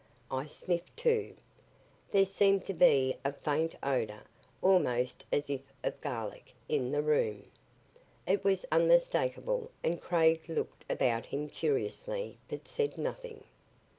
I sniffed, too. There seemed to be a faint odor, almost as if of garlic, in the room. It was unmistakable and Craig looked about him curiously but said nothing.